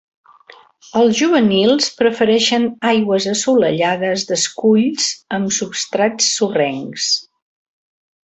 Els juvenils prefereixen aigües assolellades d'esculls amb substrats sorrencs.